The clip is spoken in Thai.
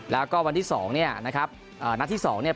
แล้วก็วันที่๒เนี่ยนะครับนัดที่สองเนี่ย